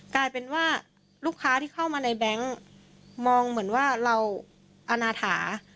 กลายเป็นว่าลูกค้าที่เข้ามาในแบงค์มองเหมือนว่าเราอาณาถา